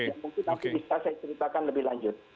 tidak mungkin nanti bisa saya ceritakan lebih lanjut